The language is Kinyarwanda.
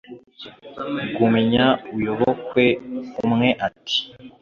gumya uyobokwe. umwe ati :